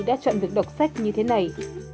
đã chọn việc đọc sách như thế này